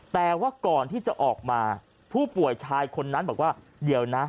แต่ว่าก่อนที่จะออกมาผู้ป่วยชายคนนั้นบอกว่าเดี๋ยวนะ